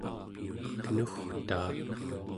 kenugtaa